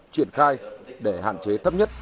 triển khai để hạn chế thấp nhất